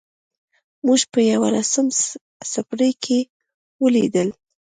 موږ په یوولسم څپرکي کې ولیدل.